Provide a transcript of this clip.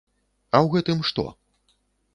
А ў гэтым што?